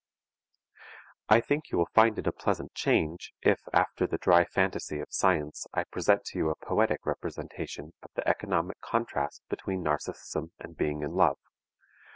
I think you will find it a pleasant change if after the dry phantasy of science I present to you a poetic representation of the economic contrast between narcism and being in love.